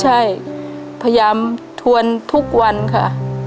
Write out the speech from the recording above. ใช่พยายามทวนทุกวันค่ะ